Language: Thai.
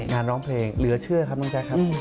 ร้องเพลงเหลือเชื่อครับน้องแจ๊คครับ